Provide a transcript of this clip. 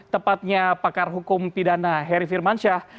tepatnya pakar hukum pidana heri firmansyah